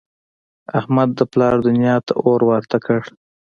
احمد د پلار دونیا ته اور ورته کړ.